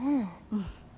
うん。